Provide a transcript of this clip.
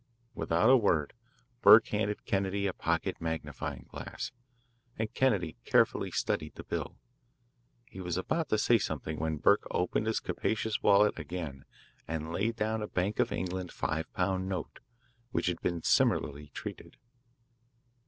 Without a word Burke handed Kennedy a pocket magnifying glass, and Kennedy carefully studied the bill. He was about to say something when Burke opened his capacious wallet again and laid down a Bank of England five pound note which had been similarly treated.